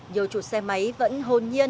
nhiều chủ xe máy vẫn hồn nhiên